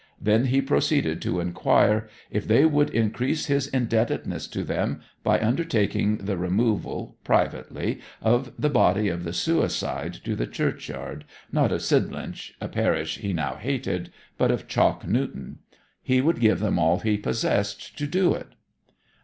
Then he proceeded to inquire if they would increase his indebtedness to them by undertaking the removal, privately, of the body of the suicide to the churchyard, not of Sidlinch, a parish he now hated, but of Chalk Newton. He would give them all he possessed to do it.